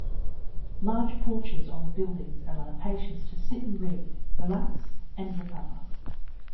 Large porches on the buildings allowed patients to sit and read, relax, and recover.